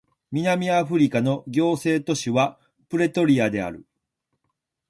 南アフリカの行政首都はプレトリアである